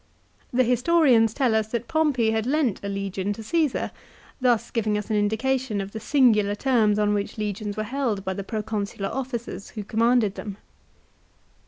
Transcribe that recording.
The historians tell us that Pompey had lent a legion to Caesar, thus giving us an indication of the singular terms on which legions were held by the Proconsular officers who commanded them.